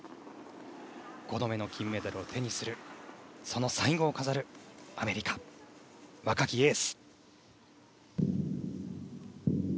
５度目の金メダルを手にするその最後を飾るアメリカ、若きエース。